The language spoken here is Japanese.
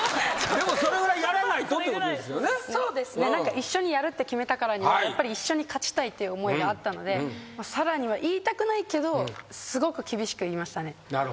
一緒にやるって決めたからにはやっぱり一緒に勝ちたいっていう思いがあったので沙羅には言いたくないけどすごく厳しく言いましたね。